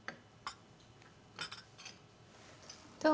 あっ。